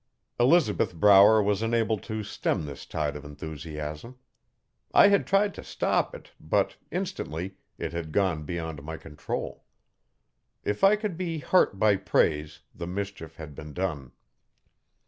Elizabeth Brower was unable to stem this tide of enthusiasm. I had tried to stop it, but, instantly, it had gone beyond my control. If I could be hurt by praise the mischief had been done.